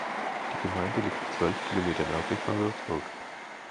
Die Gemeinde liegt zwölf Kilometer nördlich von Würzburg.